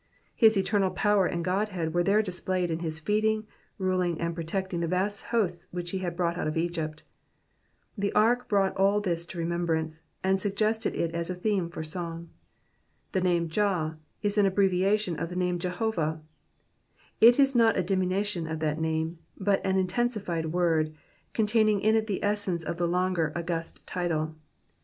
His eternal power and Godhead were there displayed in his feeding, ruling, and protecting the vast hosts which he had brought out of Egypt. The ark brought all this to remembrance, and suggested it as a theme )or song. The name jah is an abbreviation of the name Jehovah ; it is not a diminution of that name, but an intensified word, containing in it the essence of tlie longer, august title.